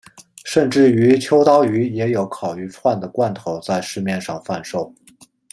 甚至于秋刀鱼也有烤鱼串的罐头在市面上贩售。